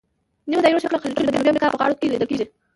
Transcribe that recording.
نیمه دایروي شکله خلیجونه په جنوبي امریکا په غاړو کې لیدل کیږي.